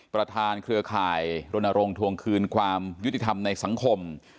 เครือข่ายรณรงค์ทวงคืนความยุติธรรมในสังคม